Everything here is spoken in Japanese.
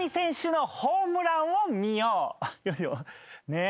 ねえ。